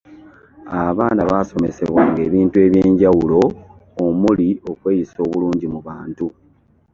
Abaana baasomesebwanga ebintu eby'enjawulo omuli okweyisa obulungi mu bantu.